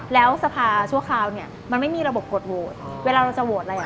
แล้วสภาชั่วคราวเนี่ยมันไม่มีระบบกดโหวตเวลาเราจะโหวตอะไรอ่ะ